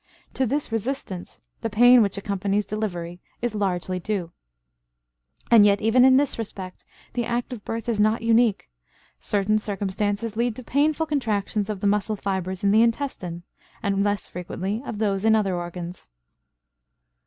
To this resistance the pain which accompanies delivery is largely due. And yet even in this respect the act of birth is not unique; certain circumstances lead to painful contractions of the muscle fibers in the intestine and less frequently of those in other organs.